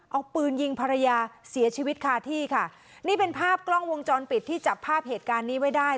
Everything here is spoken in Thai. เอาปืนยิงภรรยาเสียชีวิตคาที่ค่ะนี่เป็นภาพกล้องวงจรปิดที่จับภาพเหตุการณ์นี้ไว้ได้